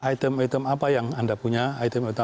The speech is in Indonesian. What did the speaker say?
item item apa yang anda punya item item